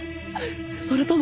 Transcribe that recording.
それとも。